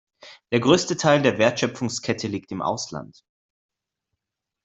Der größte Teil der Wertschöpfungskette liegt im Ausland.